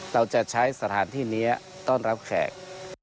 เราจะใช้สถานที่นี้ต้อนรับแขก